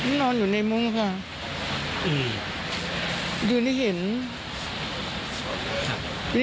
เหมือนก็จะเกินนักบ้านแล้วค่ะ